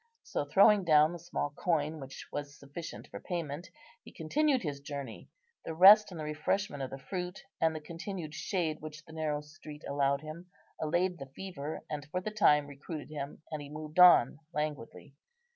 So, throwing down the small coin which was sufficient for payment, he continued his journey. The rest and the refreshment of the fruit, and the continued shade which the narrow street allowed him, allayed the fever, and for the time recruited him, and he moved on languidly.